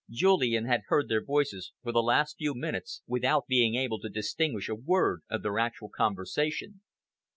Julian had heard their voices for the last few minutes without being able to distinguish a word of their actual conversation.